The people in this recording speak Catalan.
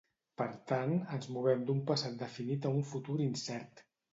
Per tant, ens movem d'un passat definit a un futur incert.